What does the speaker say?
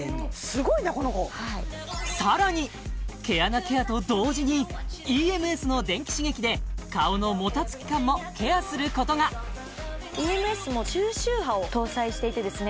すごいなこの子さらに毛穴ケアと同時にＥＭＳの電気刺激で顔のもたつき感もケアすることがＥＭＳも中周波を搭載していてですね